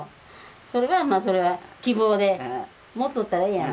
それはまあそれは希望で持っとったらええやん。